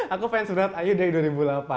aku fans banget iu dari dua ribu delapan